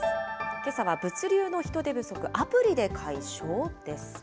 けさは物流の人手不足、アプリで解消？です。